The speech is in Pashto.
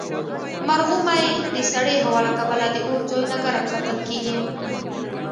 مرغومی د سړې هوا له کبله د اور ځایونه ګرم ساتل کیږي.